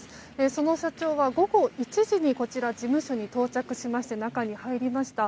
その社長は午後１時にこちら事務所に到着しまして中に入りました。